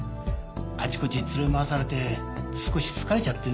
あっちこっち連れ回されて少し疲れちゃってねえ。